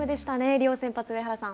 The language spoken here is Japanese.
両先発、上原さん。